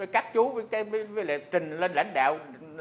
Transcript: các chú với trình lên lãnh đạo